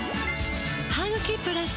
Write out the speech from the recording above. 「ハグキプラス」